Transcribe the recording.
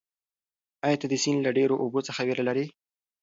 ایا ته د سیند له ډېرو اوبو څخه وېره لرې؟